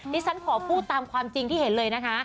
ที่ฉันขอพูดตามความจริงที่เห็นเลยนะคะ